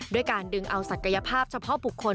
การดึงเอาศักยภาพเฉพาะบุคคล